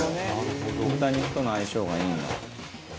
「豚肉との相性がいいんだ」